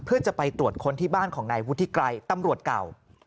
เพื่อจะไปตรวจค้นที่บ้านของนายวุฒิไกรตำรวจเก่า